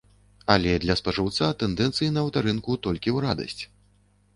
Але для спажыўца тэндэнцыі на аўтарынку толькі ў радасць.